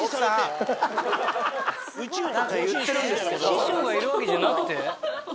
師匠がいるわけじゃなくて？